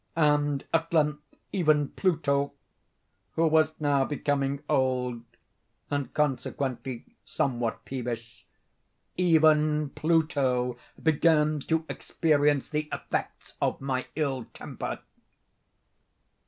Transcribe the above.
—and at length even Pluto, who was now becoming old, and consequently somewhat peevish—even Pluto began to experience the effects of my ill temper.